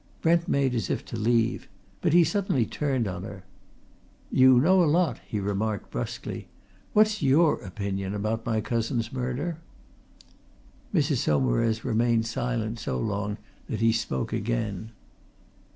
Brent made as if to leave. But he suddenly turned on her. "You know a lot," he remarked brusquely. "What's your opinion about my cousin's murder?" Mrs. Saumarez remained silent so long that he spoke again.